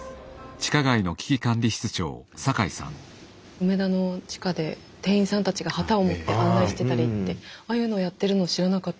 梅田の地下で店員さんたちが旗を持って案内してたりってああいうのをやってるの知らなかったです。